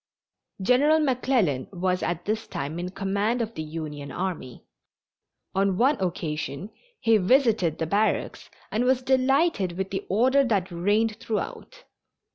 General McClellan was at this time in command of the Union army. On one occasion he visited the barracks and was delighted with the order that reigned throughout.